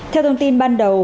theo thông tin ban đầu